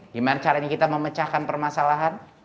gimana caranya kita memecahkan permasalahan